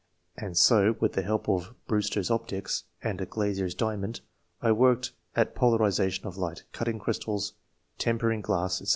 and so, with the help of ' Brewster's Optics ' and a glazier's diamond, I worked at polarization of light, cutting crystals, tempering glass, &c.